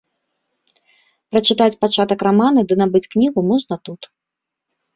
Прачытаць пачатак рамана ды набыць кнігу можна тут.